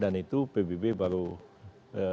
dan itu pbb baru dimenangkan